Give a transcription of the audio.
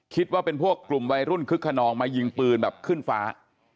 คิดว่าเป็นพวกกลุ่มวัยรุ่นคึกขนองมายิงปืนแบบขึ้นฟ้า